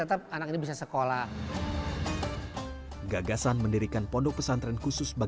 sebagai anak muda ini jadi orang yang masih memiliki dukungan dan makluman ke podia depan dengan mudah